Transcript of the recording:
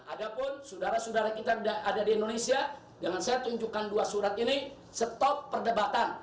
ada pun saudara saudara kita ada di indonesia dengan saya tunjukkan dua surat ini stop perdebatan